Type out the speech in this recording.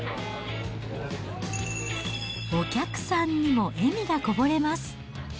お客さんにも笑みがこぼれます。